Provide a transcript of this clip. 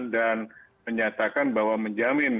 dan menyatakan bahwa menjamin